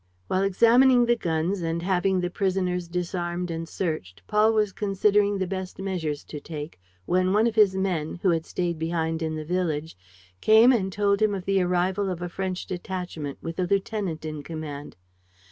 While examining the guns and having the prisoners disarmed and searched, Paul was considering the best measures to take, when one of his men, who had stayed behind in the village, came and told him of the arrival of a French detachment, with a lieutenant in command.